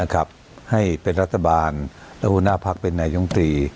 นะครับให้เป็นรัฐบาลแล้วหุ้นหน้าพักเป็นไหนยงตรี